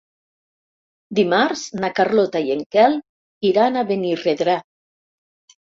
Dimarts na Carlota i en Quel iran a Benirredrà.